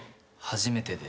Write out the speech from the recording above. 初めてで。